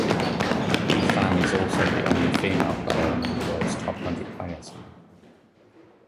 Yifan is also the only female player among the world's top hundred players.